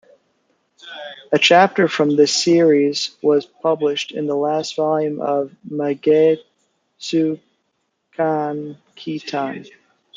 A chapter from this series was published in the last volume of "Magetsukan Kitan".